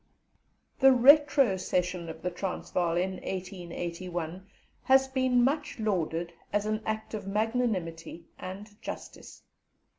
The retrocession of the Transvaal in 1881 has been much lauded as an act of magnanimity and justice.